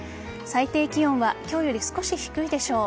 最低気温は今日より少し低いでしょう。